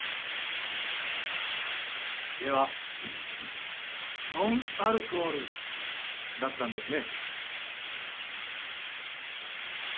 ではノンアルコールだったんですね？